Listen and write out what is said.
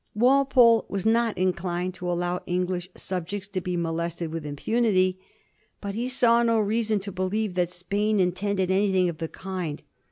Walpole was not inclined to allow English subjects to be molested with impunity. But he saw no reason to be lieve that Spain intended anything of the kind.